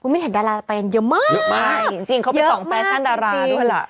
ไม่เห็นดาราไปกันเยอะมากเยอะมากจริงจริงเขาไปส่องแฟชั่นดาราด้วยล่ะ